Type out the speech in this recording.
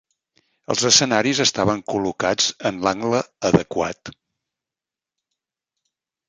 Els escenaris estaven col·locats en l'angle adequat.